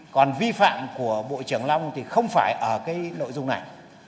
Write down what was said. còn vi phạm của bộ trưởng long thì không phải ở cái nội dung này